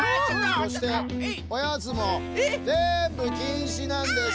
そしておやつもぜんぶきんしなんです。